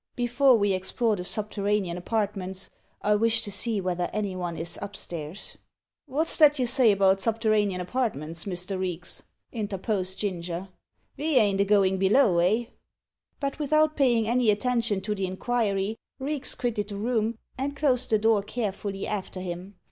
"Before we explore the subterranean apartments, I wish to see whether any one is up stairs." "Wot's that you say about subterranean apartments, Mr. Reeks?" interposed Ginger. "Ve ain't a goin' below, eh?" But without paying any attention to the inquiry, Reeks quitted the room, and closed the door carefully after him.